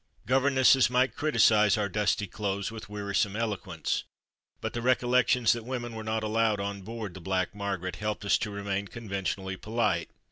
Governesses might criticise our dusty clothes with wearisome eloquence, but the recollection that women were not allowed on board the Black Mar garet helped us to remain conventionally polite.